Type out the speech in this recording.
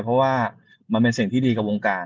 เพราะว่ามันเป็นสิ่งที่ดีกับวงการ